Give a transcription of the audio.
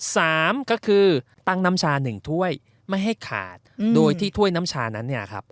สามก็คือตั้งน้ำชาหนึ่งถ้วยไม่ให้ขาดโดยที่ถ้วยน้ำชานั้นเนี่ยครับ